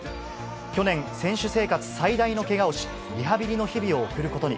去年、選手生活最大のけがをし、リハビリの日々を送ることに。